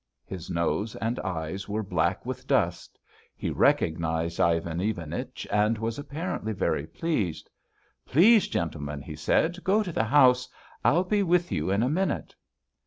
His nose and eyes were black with dust. He recognised Ivan Ivanich and was apparently very pleased. "Please, gentlemen," he said, "go to the house. I'll be with you in a minute."